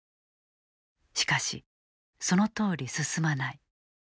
しかし、そのとおり進まない。